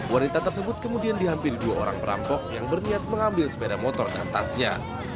wanita tersebut kemudian dihampiri dua orang perampok yang berniat mengambil sepeda motor dan tasnya